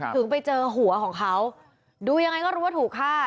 ถึงไปเจอหัวของเขาดูยังไงก็รู้ว่าถูกฆ่า